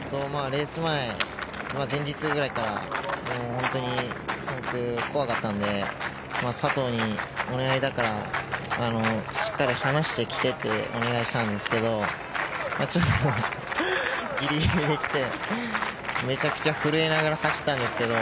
レース前、前日ぐらいから本当に３区が怖かったので佐藤にお願いだからしっかり離してきてってお願いしたんですけどギリギリで来てめちゃくちゃ震えながら走ったんですけど